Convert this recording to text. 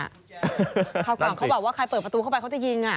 ครอบครองเค้าบอกว่าใครเปิดประตูเข้าไปเขาจะยิงอ่ะ